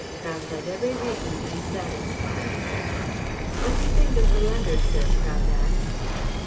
Prout had every reason to be satisfied. "What do you think of the letter, sir?" Prout asked.